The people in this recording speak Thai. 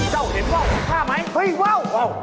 เจ้าเห็นเว้าของข้าไหมเฮ้ยเว้าเว้า